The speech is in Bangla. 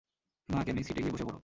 না, ক্যামি, সিটে গিয়ে বসে পড়ো!